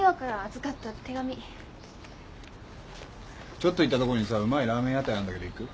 ちょっと行ったところにさうまいラーメン屋台あんだけど行く？